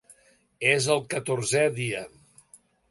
És el catorzè dia.